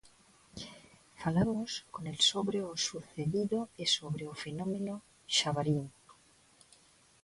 Falamos con el sobre o sucedido e sobre o fenómeno Xabarín.